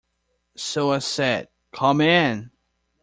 So I said, "Come in!"